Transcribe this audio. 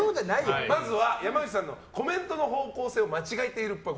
まずは山内さんの、コメントの方向性を間違えているっぽい。